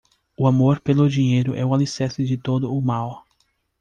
O amor pelo dinheiro é o alicerce de todo o mal.